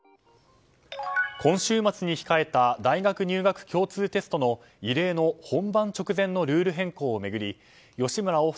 今週末に控えた大学入学共通テストの異例の本番直前のルール変更を巡り吉村